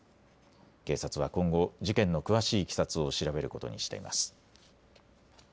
警察は今後、事件の詳しいいきさつを調べることにしています。